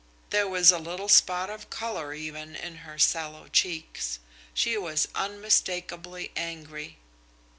There was a little spot of colour, even, in her sallow cheeks. She was unmistakably angry.